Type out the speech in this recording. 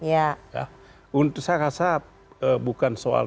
dan itu saya rasa bukan soal